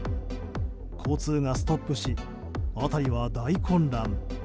交通がストップし辺りは大混乱。